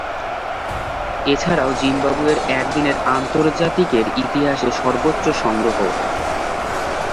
এছাড়াও, জিম্বাবুয়ের একদিনের আন্তর্জাতিকের ইতিহাসে সর্বোচ্চ সংগ্রহ।